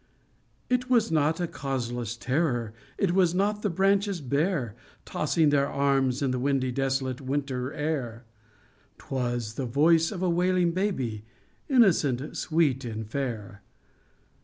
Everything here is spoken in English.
It was not a causeless terror, it was not the branches bare, Tossing their arms in the windy and desolate win ter air ; 'Twas the voice of a wailing baby, innocent, sweet and fair.